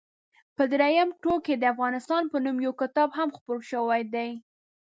په درېیم ټوک کې د افغانستان په نوم یو کتاب هم خپور شوی دی.